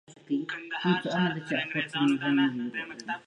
د اقتصادي قدرتونو ویش په مذاکراتو اغیزه کوي